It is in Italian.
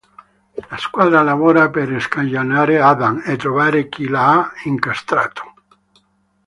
La squadra lavora per scagionare Adam e trovare chi l’ha incastrato.